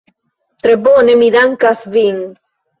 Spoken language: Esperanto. Tre bone, mi dankas vin.